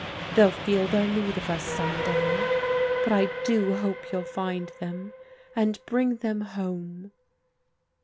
They'll feel their need of us, some day. But I do hope you'll find them, and bring them home."